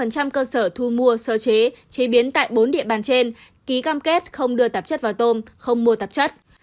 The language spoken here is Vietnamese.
một trăm linh cơ sở thu mua sơ chế chế biến tại bốn địa bàn trên ký cam kết không đưa tạp chất vào tôm không mua tạp chất